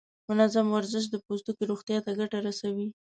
منظم ورزش د پوستکي روغتیا ته ګټه رسوي.